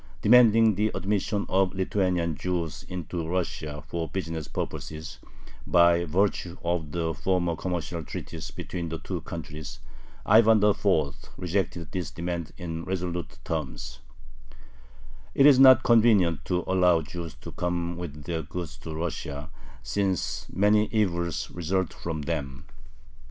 demanding the admission of Lithuanian Jews into Russia for business purposes, by virtue of the former commercial treaties between the two countries. Ivan IV. rejected this demand in resolute terms: It is not convenient to allow Jews to come with their goods to Russia, since many evils result from them.